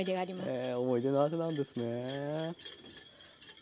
へえ思い出の味なんですね。